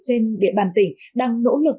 trên địa bàn tỉnh đang nỗ lực